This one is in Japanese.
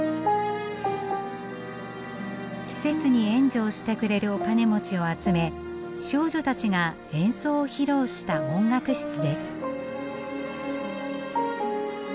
施設に援助をしてくれるお金持ちを集め少女たちが演奏を披露した音楽室です。